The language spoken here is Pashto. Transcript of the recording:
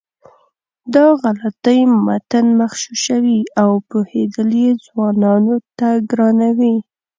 دا غلطۍ متن مغشوشوي او پوهېدل یې ځوانانو ته ګرانوي.